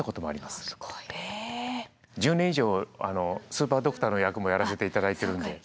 １０年以上スーパードクターの役もやらせて頂いてるんで。